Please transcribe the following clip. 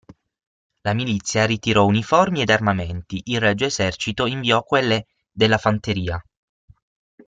La Milizia ritirò uniformi ed armamenti, il Regio Esercito inviò quelle della fanteria.